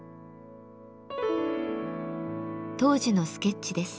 当時のスケッチです。